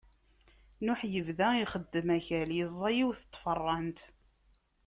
Nuḥ ibda ixeddem akal, iẓẓa yiwet n tfeṛṛant.